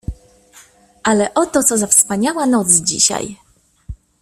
"Ale oto co za wspaniała noc dzisiaj!"